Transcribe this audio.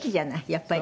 やっぱり。